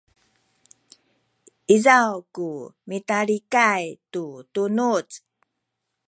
izaw ku mitalikay tu tunuz